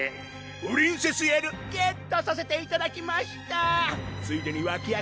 プリンセル・エルゲットさせていただきましたついでに脇役